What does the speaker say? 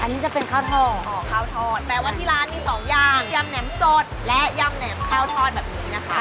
อันนี้จะเป็นข้าวทอดข้าวทอดแปลว่าที่ร้านมีสองยำยำแหมสดและยำแหมข้าวทอดแบบนี้นะคะ